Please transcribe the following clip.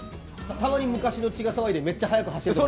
たまに昔の血が騒いでめっちゃ速く走るとか？